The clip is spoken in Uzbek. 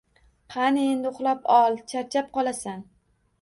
Qani endi uxlab ol, charchab qolasan